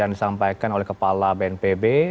yang disampaikan oleh kepala bnpb